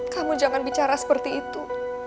kamu jangan bicara seperti itu